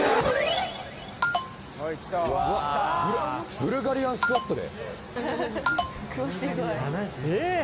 ブルガリアンスクワットで。